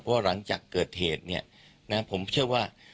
เพราะหลังจากเกิดเหตุเนี่ยนะผมเชื่อว่า